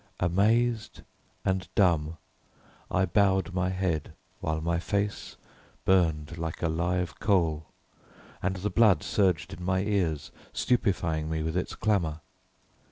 Amazed and dumb I bowed my head, while my face burned like a live coal, and the blood surged in my ears, stupefying me with its clamour.